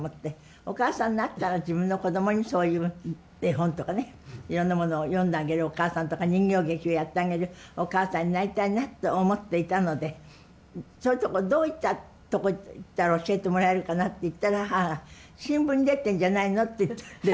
お母さんになったら自分のこどもにそういう絵本とかねいろんなものを読んであげるお母さんとか人形劇をやってあげるお母さんになりたいなと思っていたのでそういうとこどういったとこ行ったら教えてもらえるかなって言ったら母が新聞に出てんじゃないのって言って。